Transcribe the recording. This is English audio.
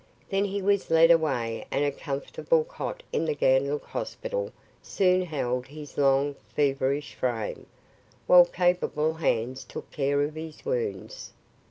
Then he was led away and a comfortable cot in the Ganlook hospital soon held his long, feverish frame, while capable hands took care of his wounds.